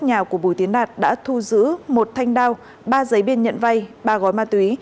nhà của bùi tiến đạt đã thu giữ một thanh đao ba giấy biên nhận vay ba gói ma túy